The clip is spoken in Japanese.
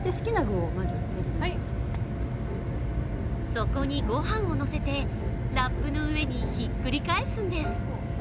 そこにご飯をのせて、ラップの上にひっくり返すんです。